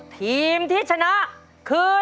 ทีมที่ชนะคือ